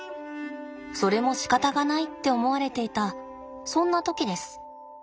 それもしかたがないって思われていたそんな時です。